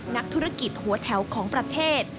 นักธุรกิจหัวแถวของประเทศ